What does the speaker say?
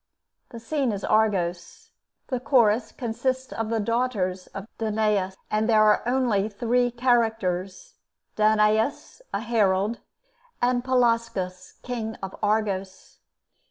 The scene is Argos. The Chorus consists of the daughters of Danaüs, and there are only three characters, Danaüs, a Herald, and Pelasgus King of Argos.